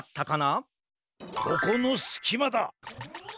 ここのすきまだ！